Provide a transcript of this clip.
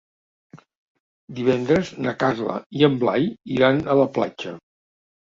Divendres na Carla i en Blai iran a la platja.